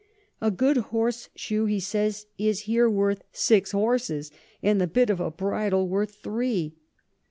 A good Horse shoe he says is here worth six Horses, and the Bit of a Bridle worth three.